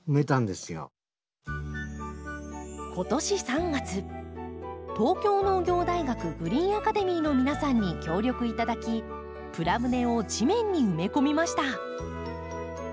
今年３月東京農業大学グリーンアカデミーの皆さんに協力いただきプラ舟を地面に埋め込みました。